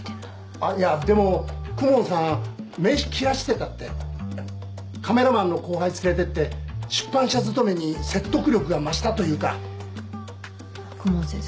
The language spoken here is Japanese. あっいやでも公文さん名刺切らしてたってカメラマンの後輩連れていって出版社勤めに説得力が増したというか公文先生